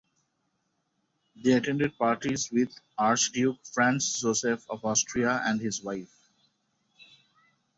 They attended parties with Archduke Franz Josef of Austria and his wife.